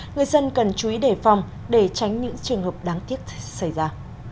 người dân cần chú ý đề phòng để tránh những trường hợp đáng tiếc xảy ra